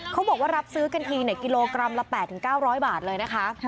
เขาบอกว่ารับซื้อกันทีกิโลกรัมละ๘๙๐๐บาทเลยนะคะ